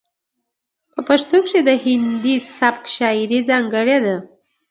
په پښتو کې د هندي سبک شاعرۍ ځاتګړنې دي.